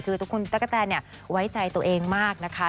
คือทุกคนตะกะแตนไว้ใจตัวเองมากนะคะ